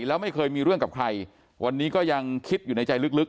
แล้วไม่เคยมีเรื่องกับใครวันนี้ก็ยังคิดอยู่ในใจลึก